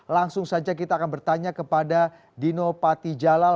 langsung saja kita akan bertanya kepada dino patijalal